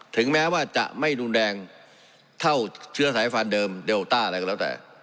ถึงแม้ว่าจะไม่รุนแรงเท่าเชื้อสายฟันเดิมเดลต้าอะไรก็แล้วแต่